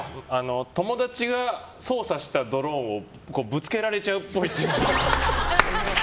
友達が操作したドローンをぶつけられちゃうっぽい。